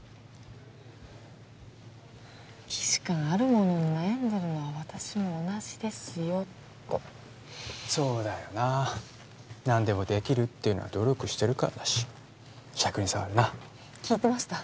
既視感あるものに悩んでるのは私も同じですよとそうだよなー何でもできるっていうのは努力してるからだししゃくに障るな聞いてました？